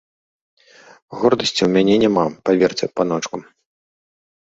Гордасці ў мяне няма, паверце, паночку.